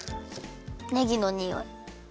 ねぎのにおい。